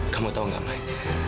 kamu tahu gak mai